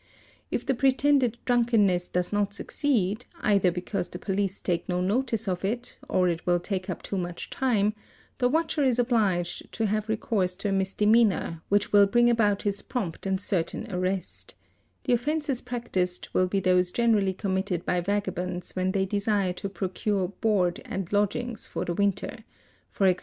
If the pretended drunkenness does not succeed, either because the police take no notice of it or it will take up too much time, the watcher — is obliged to have recourse to a misdemeanour which will bring about his prompt and certain arrest; the offences practised will be those gene i rally committed by vagabonds when they desire to procure "' board and a ACCOMPLICES 685 lodgings" for the winter, e.g.